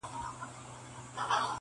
په ژړا مي شروع وکړه دې ویناته!!